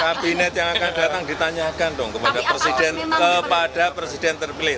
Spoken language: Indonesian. kalau kabinet yang akan datang ditanyakan dong kepada presiden terpilih